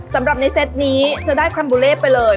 สำหรับในเซตนี้จะได้คอมบูเล่ไปเลย